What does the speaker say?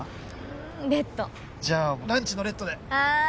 うんレッドじゃあランチのレッドではい